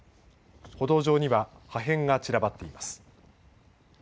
歩道上には破片が散らばっています。